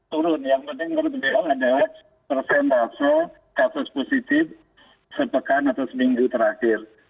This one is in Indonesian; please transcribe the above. turun yang penting kami memang adalah persentase kasus positif sepekan atau seminggu terakhir